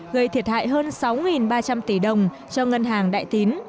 gây thiệt hại hơn sáu ba trăm linh tỷ đồng cho ngân hàng đại tín